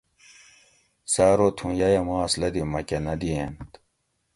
سہ ارو تھوں ییہ ماس لدی مکہ نہ دیئنت